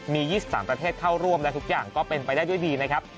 มี๒๓ประเทศเข้าร่วมและทุกอย่างก็เป็นไปได้ด้วยดีนะครับ